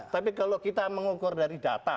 tapi kalau kita mengukur dari data